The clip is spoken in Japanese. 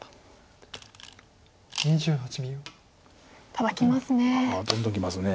ただきますね。